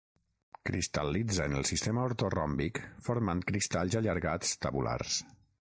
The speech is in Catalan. Cristal·litza en el sistema ortoròmbic formant cristalls allargats tabulars.